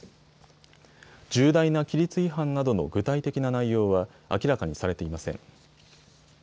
重大な規律違反などの具体的な内容は明らかにされていません。